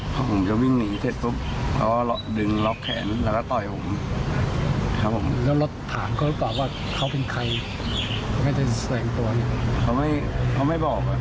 เขาไม่พูดชื่อเสร็จเลยนะ